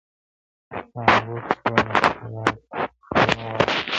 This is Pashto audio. نه انګور سوه نه شراب توروه غوره ده.